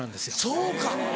そうか。